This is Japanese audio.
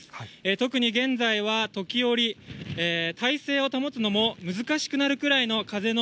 特に現在は、時折、体勢を保つのも難しくなるくらいの風の